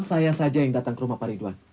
saya saja yang datang ke rumah pak ridwan